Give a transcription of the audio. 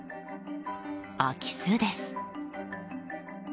空き巣です。